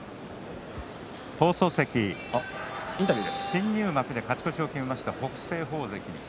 新入幕で勝ち越しを決めました北青鵬関です。